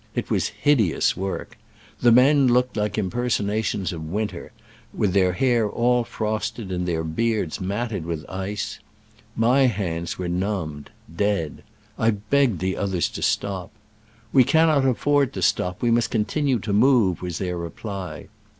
It was hideous work. The men looked like impersonations of Winter, with their hair all frosted and their beards matted with ice. My hands were numb ed — dead. I begged the others to stop. " We cannot afford to stop : we must con tinue to move," was their reply.